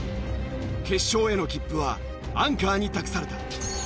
決勝への切符はアンカーに託された。